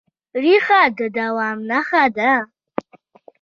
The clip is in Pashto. ریښه د دوام نښه ده.